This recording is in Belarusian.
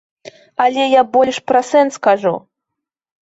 Але я больш пра сэнс кажу.